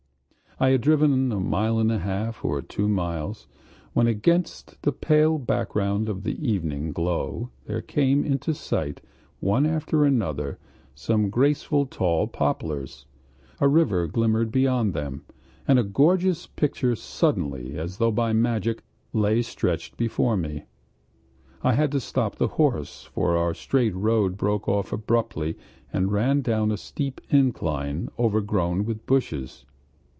I had driven a mile and a half, or two miles, when against the pale background of the evening glow there came into sight one after another some graceful tall poplars; a river glimmered beyond them, and a gorgeous picture suddenly, as though by magic, lay stretched before me. I had to stop the horse, for our straight road broke off abruptly and ran down a steep incline overgrown with bushes.